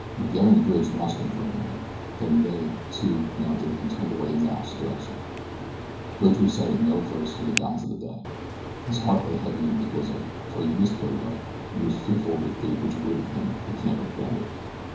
Miguel and Bridge watched him for a moment, then they, too, mounted and turned away in the opposite direction. Bridge recited no verse for the balance of that day. His heart lay heavy in his bosom, for he missed Billy Byrne, and was fearful of the fate which awaited him at the camp of the bandit.